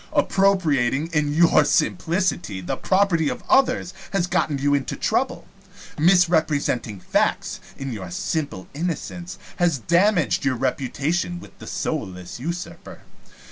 Appropriating, in your simplicity, the property of others has gotten you into trouble. Misrepresenting facts, in your simple innocence, has damaged your reputation with the soulless usurper.